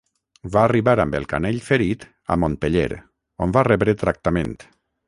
Va arribar amb el canell ferit a Montpeller on va rebre tractament.